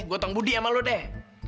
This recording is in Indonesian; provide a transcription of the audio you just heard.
gue utang budi sama lu deh